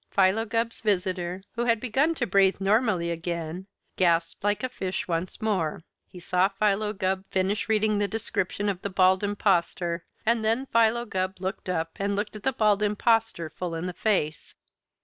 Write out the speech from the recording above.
Philo Gubb's visitor, who had begun to breathe normally again, gasped like a fish once more. He saw Philo Gubb finish reading the description of the Bald Impostor, and then Philo Gubb looked up and looked the Bald Impostor full in the face.